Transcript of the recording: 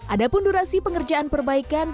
adapun durasi pengerjaan perbaikan